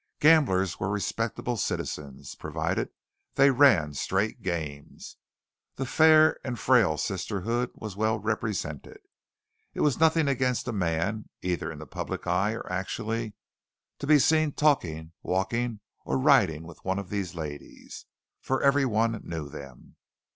Gamblers were respectable citizens, provided they ran straight games. The fair and frail sisterhood was well represented. It was nothing against a man, either in the public eye or actually, to be seen talking, walking, or riding with one of these ladies; for every one knew them.